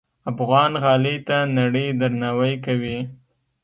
افغان غالۍ ته نړۍ درناوی کوي.